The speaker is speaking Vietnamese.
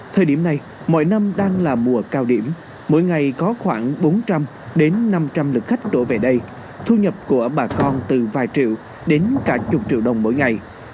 thời điểm này mọi năm đang là mùa cao điểm mỗi ngày có khoảng bốn trăm linh đến năm trăm linh lượt khách đổ về đây thu nhập của bà con từ vài triệu đến cả chục triệu đồng mỗi ngày